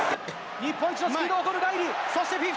日本一のスピードを誇るライリー。